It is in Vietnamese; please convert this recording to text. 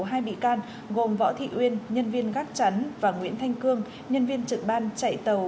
hai bị can gồm võ thị uyên nhân viên gác chắn và nguyễn thanh cương nhân viên trực ban chạy tàu